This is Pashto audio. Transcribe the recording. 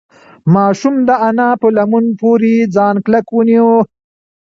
ماشوم د انا په لمن پورې ځان کلک ونیو.